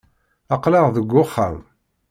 Aql-aɣ deg uxxam.